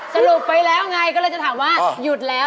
สรุปไปแล้วไงก็เลยจะถามว่าหยุดแล้ว